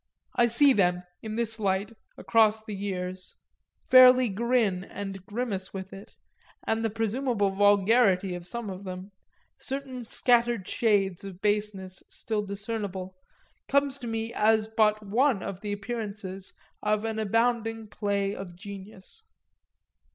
I see them, in this light, across the years, fairly grin and grimace with it; and the presumable vulgarity of some of them, certain scattered shades of baseness still discernible, comes to me as but one of the appearances of an abounding play of genius.